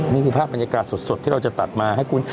นี่คือภาพบรรยากาศสดที่เราจะตัดมาให้คุณ